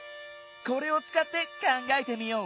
これをつかってかんがえてみよう。